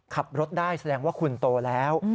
ขับรถได้แสดงว่าคุณโตแล้ว